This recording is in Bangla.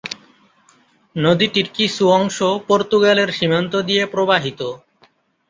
নদীটির কিছু অংশ পর্তুগালের সীমান্ত দিয়ে প্রবাহিত।